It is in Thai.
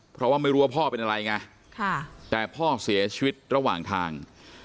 เพราะว่าไม่รู้ว่าพ่อเป็นอะไรไงแต่พ่อเสียชีวิตระหว่างทาง